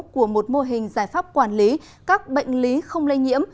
của một mô hình giải pháp quản lý các bệnh lý không lây nhiễm